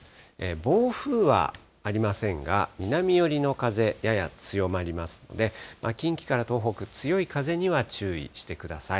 暴風はありませんが、南寄りの風、やや強まりますので、近畿から東北、強い風には注意してください。